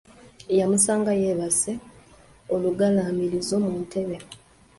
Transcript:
Yamusanga yeebase olugalaamirizo mu ntebe.